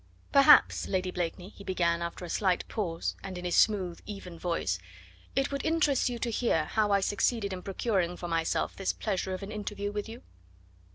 "Perhaps, Lady Blakeney," he began after a slight pause and in his smooth, even voice, "it would interest you to hear how I succeeded in procuring for myself this pleasure of an interview with you?"